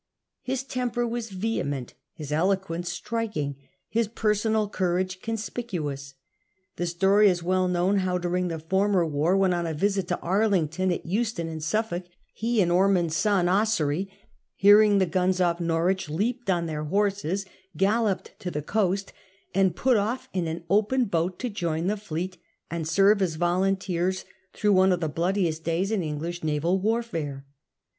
His temper was vehement, his eloquence striking, his personal cou rage conspicuous. The story is well known how, during the former war, when on a visit to Arlington at Euston in Suffolk, he and Ormond's son, Ossory, hearing the guns off Harwich, leaped on their horses, galloped to the coast, and put off in an open boat to join the fleet and serve as volunteers through one of the bloodiest days in English naval Warfare.